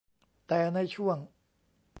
แต่ในช่วง